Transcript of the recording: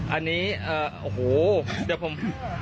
้านี้โอโหเดี๋ยวกันผม